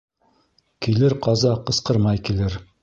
Килер ҡаза ҡысҡырмай килер.